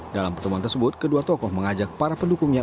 dalam pertemuan tersebut kedua tokoh mengajak para pendukungnya